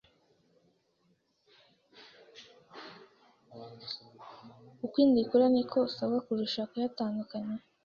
uko inda ikura niko usabwa kurushaho kuyatandukanya.